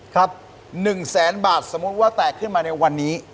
ครับ๑แสนบาทสมมุติว่าแตกขึ้นมาในวันนี้